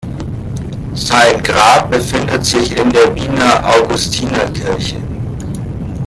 Sein Grab befindet sich in der Wiener Augustinerkirche.